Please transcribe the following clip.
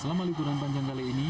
selama liburan panjang kali ini